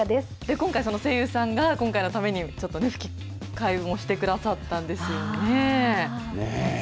今回その声優さんが今回のために吹き替えもしてくださったんですよね。